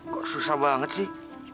kok susah banget sih